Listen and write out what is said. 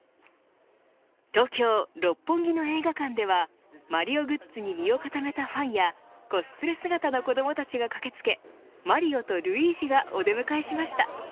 東京、六本木の映画館ではマリオグッズに身を固めたファンやコスプレ姿の子どもたちが駆け付けマリオとルイージが出迎えしました。